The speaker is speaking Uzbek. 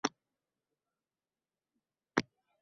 Hovliga koʻchib kelib, sakkiz yil yashagandim.